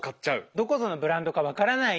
どこぞのブランドか分からない